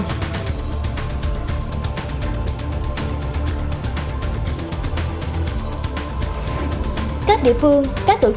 hợp báo kỷ niệm bảy mươi năm ngày truyền thống công an nhân dân việt nam